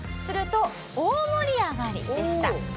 すると大盛り上がりでした。